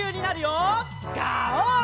ガオー！